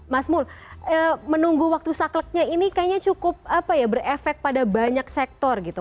mas mul menunggu waktu sakleknya ini kayaknya cukup berefek pada banyak sektor gitu